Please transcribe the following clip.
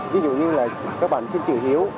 ví dụ như là các bạn xin chữ hiếu